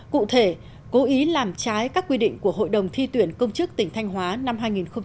cụ thể cố ý làm trái các quy định của hội đồng thi tuyển công chức tỉnh thanh hóa năm hai nghìn một mươi tám